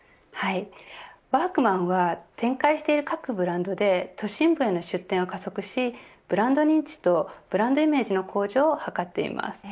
ワークマンは展開している各ブランドで都心部への出店を加速しブランド認知とブランドイメージの向上を図っています。